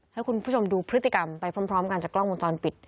ให้คุณผู้ชมดูพฤติกรรมไปพร้อมกันจากกล้องวงจรปิด